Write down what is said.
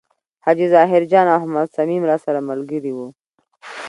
حاجي ظاهر جان او احمد صمیم راسره ملګري و.